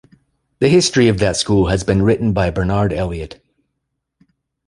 The history of that school has been written by Bernard Elliott.